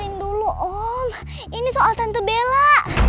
dengarin dulu om ini soal tante bella